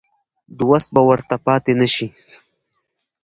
د وس به ورته پاتې نه شي.